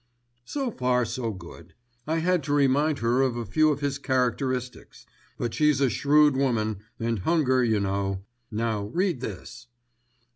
"So far so good. I had to remind her of a few of his characteristics; but she's a shrewd woman, and hunger you know. Now read this."